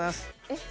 えっ